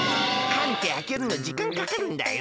缶ってあけるのじかんかかるんだよ。